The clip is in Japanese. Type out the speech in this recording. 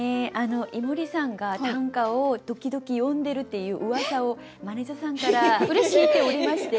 井森さんが短歌を時々詠んでるっていううわさをマネージャーさんから聞いておりまして。